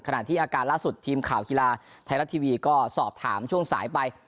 อาการที่อาการล่าสุดทีมข่าวกีฬาไทยรัฐทีวีก็สอบถามช่วงสายไป